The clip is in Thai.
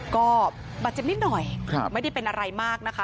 ก็บาดเจ็บนิดหน่อยไม่ได้เป็นอะไรมากนะคะ